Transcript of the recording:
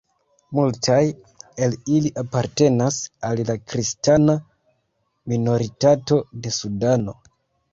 Multaj el ili apartenas al la kristana minoritato de Sudano.